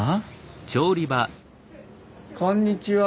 こんにちは。